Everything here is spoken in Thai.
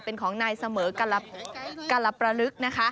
เป็นของนายเสมอกรประลึกนะคะ